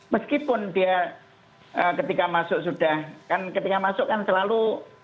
meskipun dia ketika masuk sudah kan ketika masuk kan selalu